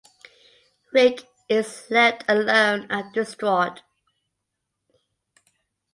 Rick is left alone and distraught.